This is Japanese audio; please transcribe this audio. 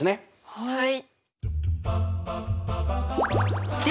はい。